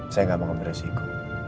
saya gak mau memberesiko